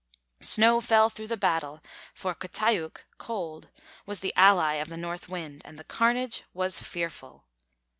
Snow fell throughout the battle, for K'taiūk (Cold), was the ally of the North Wind, and the carnage was fearful.